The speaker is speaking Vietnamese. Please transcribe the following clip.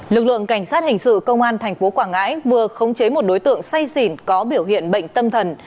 lực lượng cảnh sát hình sự công an tp quảng ngãi vừa khống chế một đối tượng say xỉn có biểu hiện bệnh tâm thần